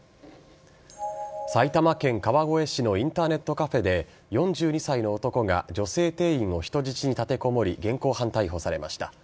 埼玉県川越市のインターネットカフェで４２歳の男が女性店員を人質に立てこもり現行犯逮捕されました。